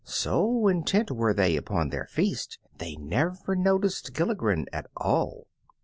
So intent were they upon their feast they never noticed Gilligren at all.